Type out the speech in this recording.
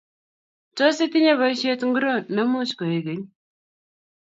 Tos, itinye boishet ngiro nemuch koek keny?